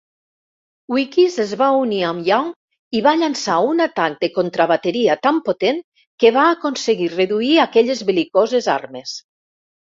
"Wickes" es va unir amb "Young" i va llançar un atac de contrabateria tan potent que va aconseguir reduir aquelles bel·licoses armes.